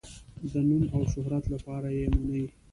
د نوم او شهرت لپاره یې مني.